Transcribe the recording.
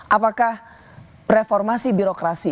apakah reformasi birokrasi